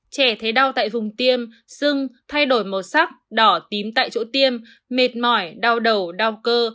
trẻ thấy đau tại vùng tiêm sưng thay đổi màu sắc đỏ tím tại chỗ tiêm mệt mỏi đau đầu đau cơ